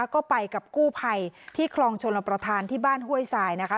แล้วก็ไปกับกู้ไพที่คลองชนรประธานที่บ้านห้วยสายนะคะ